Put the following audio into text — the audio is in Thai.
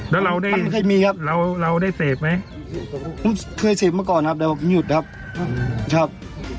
แต่ว่าเราไม่ได้เอามีไปเจาะคอนะครับ